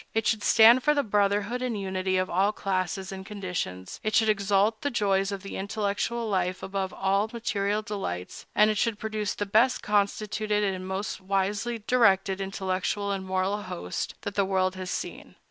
It should stand for the brotherhood and unity of all classes and conditions; it should exalt the joys of the intellectual life above all material delights; and it should produce the best constituted and most wisely directed intellectual and moral host that the world has seen.